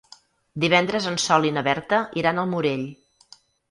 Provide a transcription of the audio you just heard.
Divendres en Sol i na Berta iran al Morell.